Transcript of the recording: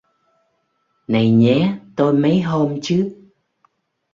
Này nhé tôi mấy hôm chứ